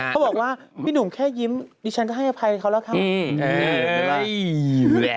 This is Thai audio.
เขาบอกว่าพี่หนุ่มแค่ยิ้มดิฉันก็ให้อภัยเขาแล้วค่ะ